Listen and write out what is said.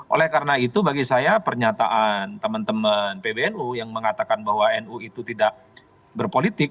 oleh karena itu bagi saya pernyataan teman teman pbnu yang mengatakan bahwa nu itu tidak berpolitik